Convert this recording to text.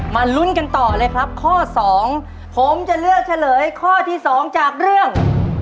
ลุ้นกันต่อเลยครับข้อสองผมจะเลือกเฉลยข้อที่๒จากเรื่อง